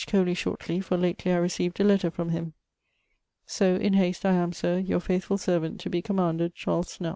Coley shortly, for lately I received a letter from him. Soe in hast I am, Sir, Your faythfull servant to bee commanded, CHARLES SNELL.